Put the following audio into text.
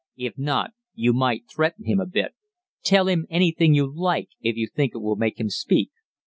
If not, you might threaten him a bit. Tell him anything you like if you think it will make him speak.'